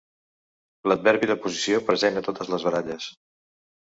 L'adverbi de posició present a totes les baralles.